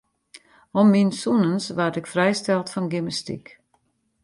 Om myn sûnens waard ik frijsteld fan gymnastyk.